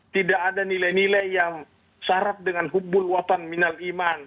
mereka akan mencari nilai nilai yang syarat dengan hubul watan minal iman